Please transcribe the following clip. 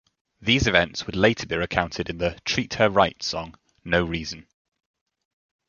These events would later be recounted in the Treat Her Right song No Reason.